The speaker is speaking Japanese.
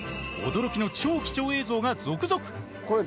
驚きの超貴重映像が続々！